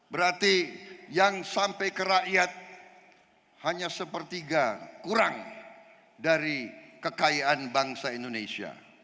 berarti yang sampai ke rakyat hanya sepertiga kurang dari kekayaan bangsa indonesia